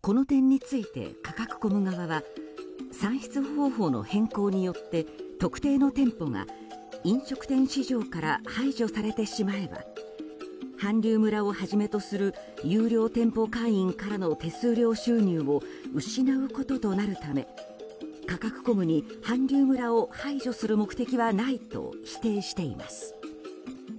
この点について、カカクコム側は算出方法の変更によって特定の店舗が飲食店市場から排除されてしまえば韓流村をはじめとする有料店舗会員からの手数料収入を失うこととなるためカカクコムに韓流村を排除する目的はないと否定しています。